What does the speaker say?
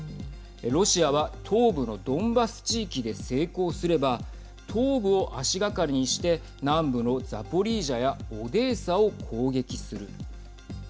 ロシアは東部のドンバス地域で成功すれば東部を足がかりにして南部のザポリージャやオデーサを攻撃する。